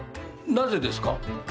なぜですか？